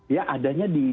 ya adanya di